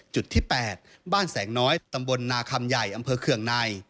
จุดที่๘บ้านแสงน้อยตำบลนาคำใหญ่อำเภอเคืองใน